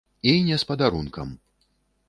І не з падарункам.